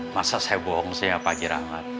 masa saya bohong sih ya pak jirahmat